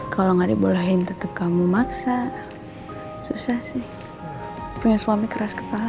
kalau nggak dibolehin tetap kamu maksa susah sih punya suami keras kepala